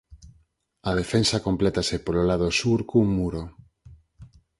A defensa complétase polo lado sur cun muro.